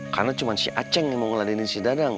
karena cuma si aceng yang mau ngeladenin si dadang